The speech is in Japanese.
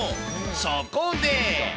そこで。